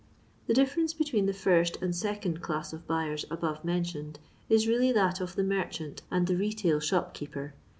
The differenco between the first and second class of bayers above mentioned, is really that of the merchaiot and the retail shopkeeper.